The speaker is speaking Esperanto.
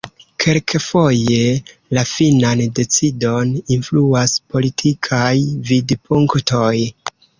Kelkfoje la finan decidon influas politikaj vidpunktoj.